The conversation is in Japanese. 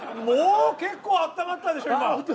もう結構あったまったでしょ今。